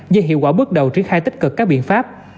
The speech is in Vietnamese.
do hiệu quả bước đầu triển khai tích cực các biện pháp